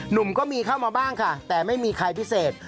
หนุ่มก็มีเข้ามาบ้างค่ะแต่ไม่มีใครพิเศษ